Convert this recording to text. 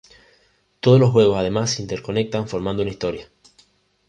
Todos los juegos además se interconectan formando una historia.